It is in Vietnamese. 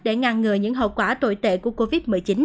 để ngăn ngừa những hậu quả tồi tệ của covid một mươi chín